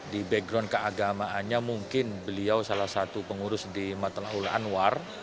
di background keagamaannya mungkin beliau salah satu pengurus di matelaule anwar